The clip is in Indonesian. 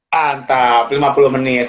mantap lima puluh menit